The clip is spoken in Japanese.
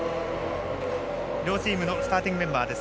両チームのスターティングメンバーです。